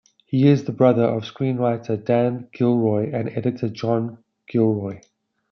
He is the brother of screenwriter Dan Gilroy and editor John Gilroy.